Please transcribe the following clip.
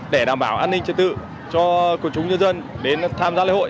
để đảm bảo an ninh trật tự cho chúng dân đến tham gia lễ hội